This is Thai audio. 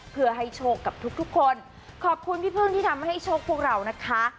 เพื่อให้โชคกับทุกทุกคนขอบคุณพี่พึ่งที่ทำให้โชคพวกเรานะคะ